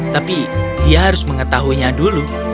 tapi dia harus mengetahuinya dulu